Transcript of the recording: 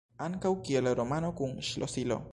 Ankaŭ kiel "romano kun ŝlosilo".